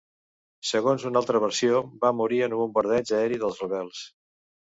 Segons una altra versió, va morir en un bombardeig aeri dels rebels.